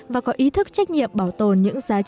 và có ý thức trách nhiệm bảo tồn những dân tộc